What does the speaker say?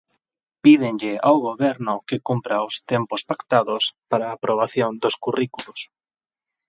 Pídenlle ao Goberno que cumpra os tempos pactados para a aprobación dos currículos.